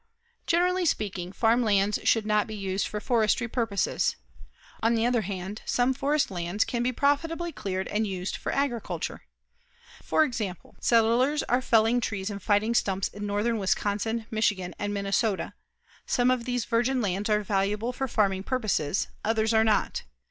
Generally speaking, farm lands should not be used for forestry purposes. On the other hand, some forest lands can be profitably cleared and used for agriculture. For example, settlers are felling trees and fighting stumps in northern Wisconsin, Michigan, and Minnesota. Some of these virgin lands are valuable for farming purposes, others are not.